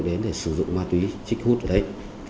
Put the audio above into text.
đến để sử dụng ma túy trích hút ở đây